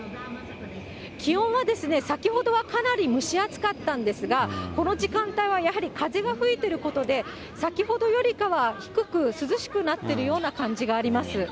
気温は、先ほどはかなり蒸し暑かったんですが、この時間帯はやはり風が吹いてることで、先ほどよりかは低く、涼しくなってるような感じがあります。